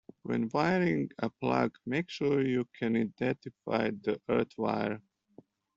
When wiring a plug, make sure you can identify the earth wire